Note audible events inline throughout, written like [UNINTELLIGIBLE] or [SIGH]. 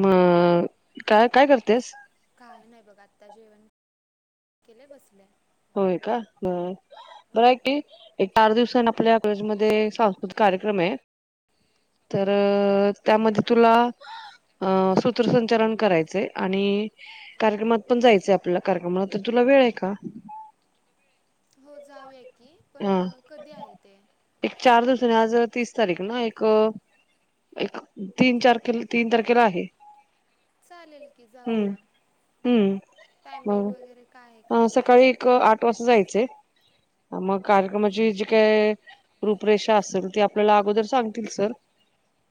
म काय काय करतेस घातता जेवण केले बसले होय का बरं ऐक की एक चार दिवसान आपल्या कॉलेजमध्येध्ये सांस्कृतिक कार्यक्रम आय तर अ त्यामध्ये तुला सूत्रसंचालन करायचंय आणि कार्यक्रमात पण जायचं आपला कार्यक्रमला तर तुला वेळ आहे का [INAUDIBLE] हो जाऊया की पण अ कधी आहे ते एक चार दिवसानी आज तीस तारीख ना एक एक तीन तारखेला तीन तारखेला आहे चालेल की हम्म जाऊया हम्म टायमिंग मग वगैरे काय आहे का अ त्याचं सकाळी एक आठ वाजता जायच मग कार्यक्रमाची जी काय रूपरेषा असेल ती आपल्याला अगोदर सांगतील सर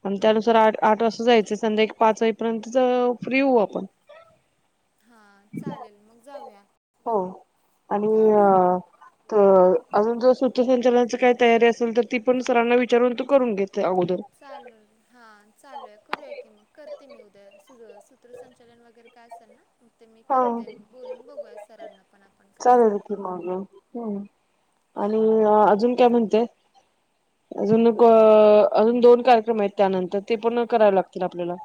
आणि हम्म, त्यानुसार आठ आठ वाजता जायचे संध्याका पाच वाजपर्यंत ज फ्री होऊ आपण हां [UNINTELLIGIBLE] चालेल मग जाऊया हो आणि अ जाऊया. त अजून जर सूतसंचालनाच काही तयारी असेल तर ती पण सरांना विचारून तू करून घेत अगोदर चालेल हां चालूया करूया की [UNINTELLIGIBLE] [UNINTELLIGIBLE] [UNINTELLIGIBLE] सूत्रसंचालन वगैरे काय असेल ना मग ते मी हा करते मग बोलून बघूया सरांना पण आपण काय असल चालेल ते की मग हम्म. आणि अजून काय म्हणतेय अजून क अजून दोन कार्यक्रम आहेत त्यानंतर ते पूर्ण करावे लागतील आपल्याला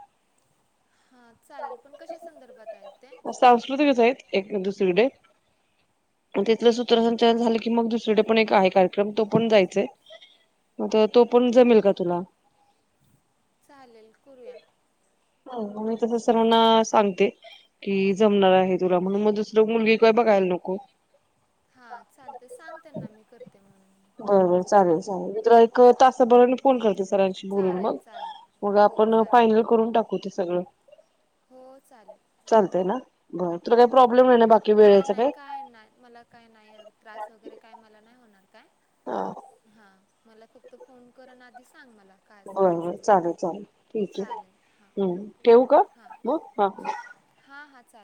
हा चालेल पण कशा संदर्भात आहेत. ते सांस्कृतिकच आहेत एक दुसरीकडे तथ सूत्रसंचार झालं कि मग दुसरडे पण एक आहे. कार्यक्रम तो पण जायचा मग तो हम्म, पण जमेल का तुला चालेल करूया तस सर्ांना सांगते. कि जमणार आहे तुला म्हणून मग दुसर मुलगी काय बघायला नको हां चालते सांग त्यांना मी करते म्हणून बरबर चालेल चालेल तर एक तासाभर फोन करते. सरांशी बोलून चालेल बग चालेल मग हो आपण चालेल फायनल करून टाकू ते सगळं. हो चालेल. चालतंय ना बरं तुला काही प्रॉब्लेम नाही ना बाकी नाय वेळेचा नाय काय नाय मला काय नाय त्रास वगैरे काय मला नाय होणार हा हा मला फक्त फोन कर आणि आधी सांग मला काय बर असेल ते बर सगळं चालेल चालेल ठीक आहे चालेल हां हम्म ठेवू का? म, ह ह चालल